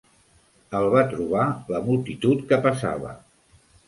El va trobar la multitud que passava.